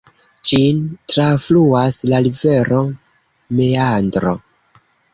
Ĝin trafluas la rivero Meandro.